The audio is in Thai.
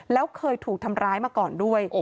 แล้วเคยถูกทำร้ายมาก่อนด้วย